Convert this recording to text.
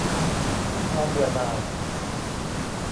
ความเบื่อหน่าย